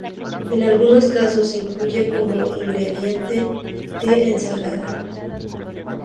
En algunos casos se incluye como ingrediente de ensaladas.